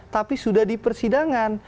tapi sudah di persidangan